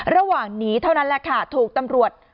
ระหว่างนี้เท่านั้นแหละค่ะถูกตำรวจ